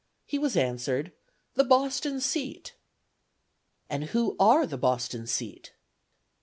He was answered, 'The Boston seat.' 'And who are the Boston seat?'